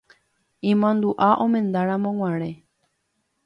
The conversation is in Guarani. Imandu'a omendaramoguare.